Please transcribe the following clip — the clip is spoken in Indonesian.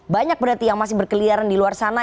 banyak berarti yang masih berkeliaran di luar sana